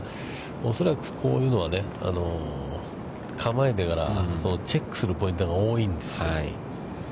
恐らくこういうのは構えてからチェックするポイントが多いんですよ。